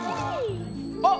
あっ！